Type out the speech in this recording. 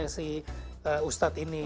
yang ditemani oleh si ustadz ini